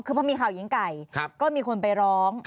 คือพอมีข่าวหญิงไก่ก็มีคนไปร้อง